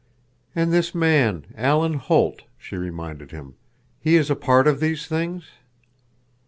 "And this man, Alan Holt," she reminded him. "He is a part of these things?"